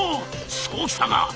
「そうきたか」。